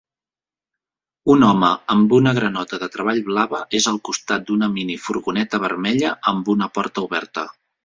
Un home amb una granota de treball blava és al costat d'una minifurgoneta vermella amb una porta oberta